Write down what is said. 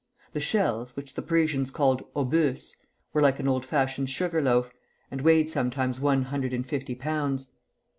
The shells, which the Parisians called "obus," were like an old fashioned sugar loaf, and weighed sometimes one hundred and fifty pounds.